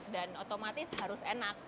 dan otomatis harus enak